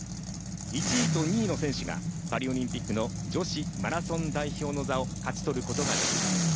１位と２位の選手がパリオリンピックの女子マラソン代表の座を勝ち取ることができます。